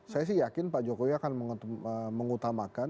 saya sih yakin pak jokowi akan mengutamakan